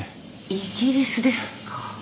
イギリスですか。